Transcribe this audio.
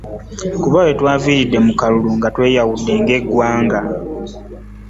Kuba we twaviiridde mu kalulu nga tweyawudde ng'eggwanga.